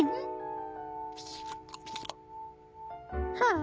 あ。